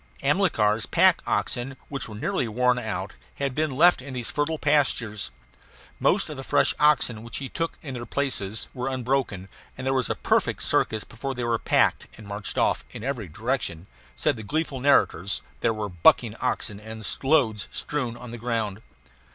Amilcar's pack oxen, which were nearly worn out, had been left in these fertile pastures. Most of the fresh oxen which he took in their places were unbroken, and there was a perfect circus before they were packed and marched off; in every direction, said the gleeful narrators, there were bucking oxen and loads strewed on the ground.